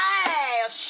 よっしゃ！